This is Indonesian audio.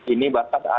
ini bahkan ada